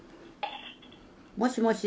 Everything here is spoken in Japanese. もしもし？